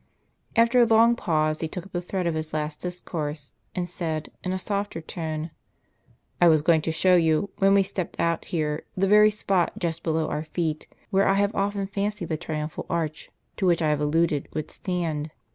After a long pause, he took up the thread of his last discourse, and said, in a softer tone :" I was going to show you, when we stepped out here, the very spot just below our feet, where I have often fancied the triumphal arch, to which I have alluded, would stand.